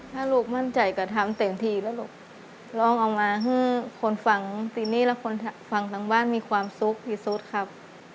ถ้าลูกมั่นใจก็ทำเต็มที่แล้วลูกร้องออกมาให้คนฟังซีนี่และคนฟังทั้งบ้านมีความสุขที่สุดครับ